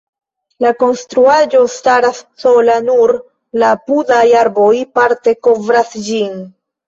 La konstruaĵo staras sola, nur la apudaj arboj parte kovras ĝin.